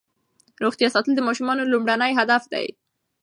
روغتیا ساتل د ماشومانو لومړنی هدف دی.